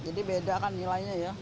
jadi beda kan nilainya ya